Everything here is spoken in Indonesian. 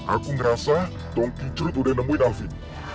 aku ngerasa tongki trut udah nemuin alvin